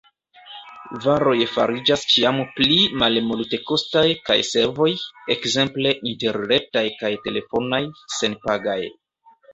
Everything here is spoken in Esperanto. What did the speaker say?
Varoj fariĝas ĉiam pli malmultekostaj, kaj servoj – ekzemple interretaj kaj telefonaj – senpagaj.